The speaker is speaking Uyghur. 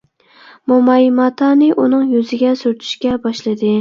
موماي ماتانى ئۇنىڭ يۈزىگە سۈرتۈشكە باشلىدى.